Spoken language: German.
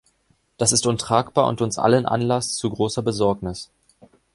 Das ist untragbar und uns allen Anlass zu großer Besorgnis.